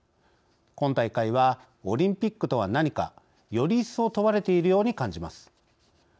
今大会は、オリンピックとは何かより一層問われているように感じます。